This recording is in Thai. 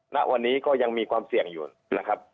ณวันนี้ก็ยังมีความเสี่ยงอยู่นะครับ